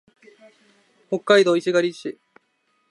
北海道石狩市